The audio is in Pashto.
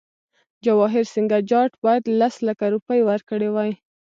جواهرسینګه جاټ باید لس لکه روپۍ ورکړي وای.